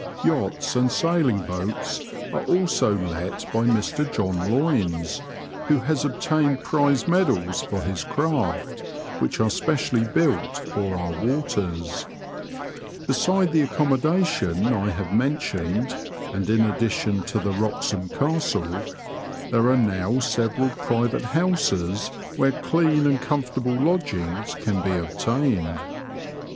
Yachts and sailing boats are also let by Mr John Loynes, who Digitized by VjOOQIC WROXHAM TO BABTON AMD AOLE. 12$ has obtained prize medals for his craft, which are speciallj built for our waters. Beside the accommodation I have mentioned (and in addition to the Wroxham Castle), there are now several private houses where clean and comfortable lodgings can be obtained.